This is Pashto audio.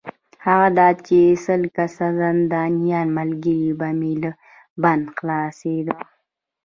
هغه دا چې سل کسه زندانیان ملګري به مې له بنده خلاصوې.